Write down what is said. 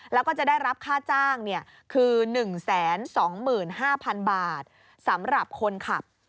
แล้วก็จะได้รับค่าจ้างคือ๑๒๕๐๐๐บาทสำหรับคนขับ